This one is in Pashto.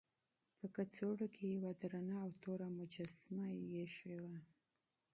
په کڅوړه کې یې یوه درنه او توره مجسمه ایښې وه.